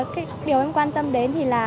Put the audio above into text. cái điều em quan tâm đến thì là